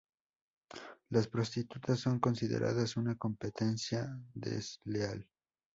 Las prostitutas son consideradas una competencia desleal.